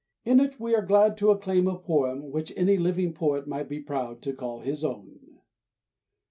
In it we are glad to acclaim a poem which any living poet might be proud to call his own.